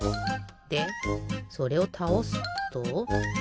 でそれをたおすと。